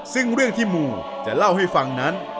ซึ่งเรื่องที่หมู่จะเล่าให้ฟังนั้น